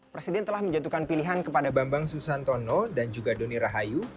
presiden telah menjatuhkan pilihan kepada bambang susantono dan juga doni rahayu